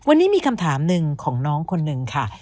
วันนี้มีคำถามหนึ่งของน้องคนหนึ่งค่ะ